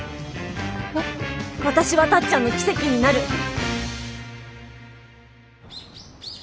私はタッちゃんの奇跡になる。